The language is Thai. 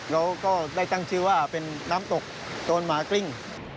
แล้วก็ได้ตั้งชื่อว่าเป็นน้ำตกโตนหมากลิ้ง